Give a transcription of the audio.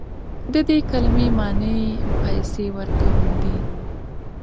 د دې کلمې معنی پیسې ورکول دي.